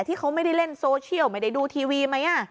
ที่เขาไม่ได้เล่นโซเชียลไม่ได้ดูทีวีไหม